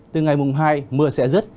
từ ngày mùng hai mưa sẽ dứt